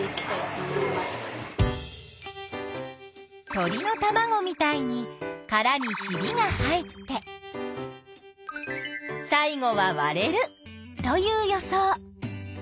鳥のたまごみたいにカラにひびが入って最後はわれるという予想。